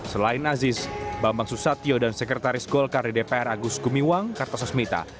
selain aziz bambang susatyo dan sekretaris golkar di dpr agus gumiwang kartasasmita